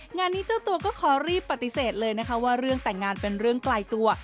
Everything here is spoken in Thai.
งานนี้เจ้าตัวก็ขอรีบปฏิเสธเลยนะคะว่าเรื่องแต่งงานเป็นเรื่องไกลตัว